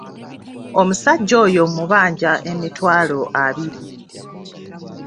Omusajja oyo mubaanja emitwaalo abiri.